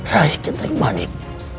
raih kentering manik